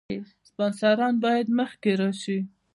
سپانسران باید مخکې راشي.